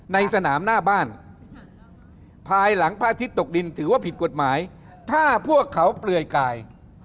ในสนามหน้าบ้านภายหลังพระอาทิตย์ตกดินถือว่าผิดกฎหมายถ้าพวกเขาเปลือยกาย